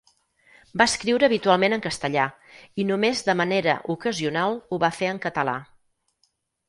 Va escriure habitualment en castellà, i només de manera ocasional ho va fer en català.